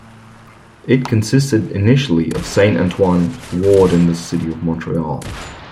It consisted initially of Saint Antoine ward in the city of Montreal.